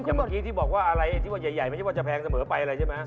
เมื่อกี้ที่บอกว่าอะไรที่ว่าใหญ่ไม่ใช่ว่าจะแพงเสมอไปอะไรใช่ไหม